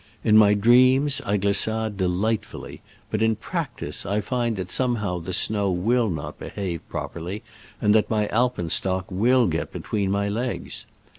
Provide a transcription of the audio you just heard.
In my dreams I ghssade delightfully, but in practice I find that somehow the snow will not be have properly, and that my alpenstock will get between my legs.